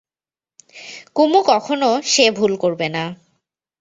কুমু কখনো সে ভুল করবে না।